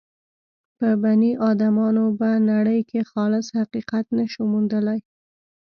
په بني ادمانو به نړۍ کې خالص حقیقت نه شو موندلای.